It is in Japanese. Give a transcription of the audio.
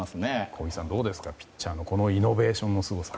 小木さん、どうですかピッチャーのイノベーションのすごさ。